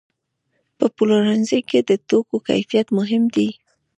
په پلورنځي کې د توکو کیفیت مهم دی.